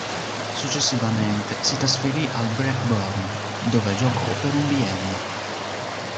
Successivamente, si trasferì al Blackburn, dove giocò per un biennio.